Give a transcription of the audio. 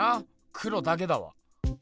黒だけだわ。